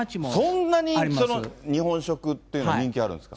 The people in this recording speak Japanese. そんなに日本食っていうのは、人気あるんですか？